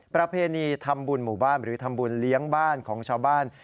ประเพณีทำบุญหมู่บ้านหรือทำบุญเลี้ยงบ้านของชาวบ้าน